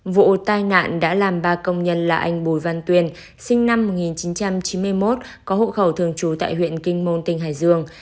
vụ tai nạn đã làm ba công nhân là anh bùi văn tuyền sinh năm một nghìn chín trăm chín mươi một có hộ khẩu thường trú tại huyện kinh môn tỉnh hải dương